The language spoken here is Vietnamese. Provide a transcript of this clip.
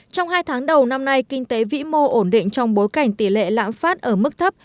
trong hai tháng đầu năm nay kinh tế vĩ mô ổn định trong bối cảnh tỷ lệ lãng phát ở mức thấp